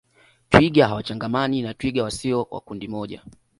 Twiga hawachangamani na twiga wasio wa kundi moja